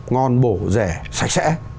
ngon bổ rẻ sạch sẽ